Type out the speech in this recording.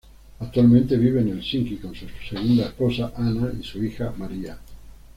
Actualmente vive en Helsinki con su segunda esposa Anna y su hija Maria.